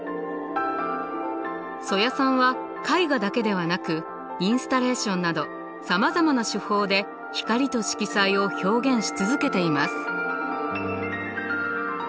曽谷さんは絵画だけではなくインスタレーションなどさまざまな手法で光と色彩を表現し続けています。